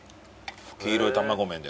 黄色い卵麺で。